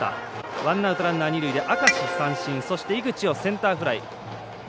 ワンアウト、ランナー、二塁で明石三振、井口センターフライ。